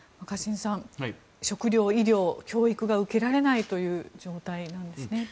若新さん食糧、医療教育が受けられないという状態なんですね。